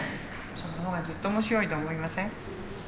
その方がずっと面白いと思いません？